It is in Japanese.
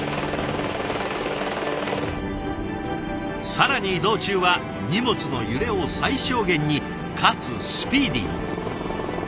更に移動中は荷物の揺れを最小限にかつスピーディーに。